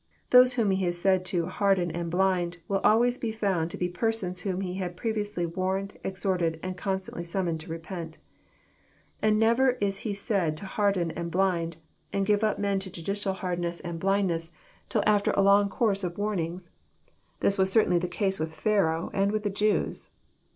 Those whom He is said to " harden and blind " will always be found to be persons whom He had previously warned, exhorted, and constantly summoned to repent. And never is He said to harden and bliud, and give men up to judicial hardness and 368 EXPOsrroBY thoughts. bUDdness, till after a long course of warnings. This was certainly the case with Pharaoh and with the Jews.